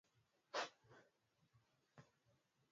Macho haina pazia